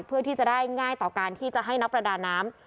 เพื่อที่จะได้ง่ายต่อการที่จะให้นักประดาน้ำ